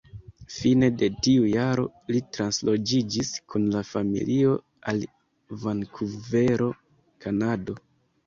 Fine de tiu jaro li transloĝiĝis kun la familio al Vankuvero, Kanado.